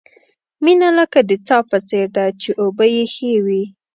مینه لکه د څاه په څېر ده، چې اوبه یې ښې وي.